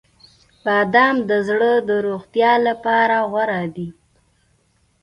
• بادام د زړه د روغتیا لپاره غوره دي.